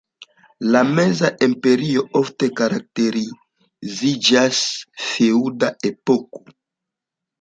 La Meza Imperio ofte karakteriziĝas "feŭda epoko".